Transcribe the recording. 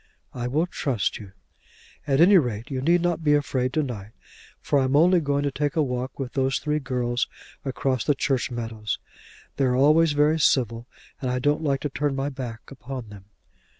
"I will trust you." "At any rate you need not be afraid to night, for I am only going to take a walk with those three girls across the church meadows. They're always very civil, and I don't like to turn my back upon them."